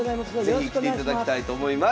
是非来ていただきたいと思います。